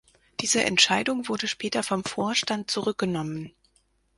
Diese Entscheidung wurde später vom Vorstand zurückgenommen.